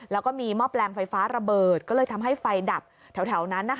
แล้วก็มีหม้อแปลงไฟฟ้าระเบิดก็เลยทำให้ไฟดับแถวนั้น